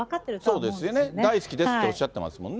そうですね、大好きですとおっしゃってますもんね。